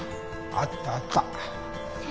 あったあった。